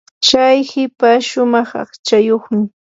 chay hipash shumaq aqchayuq.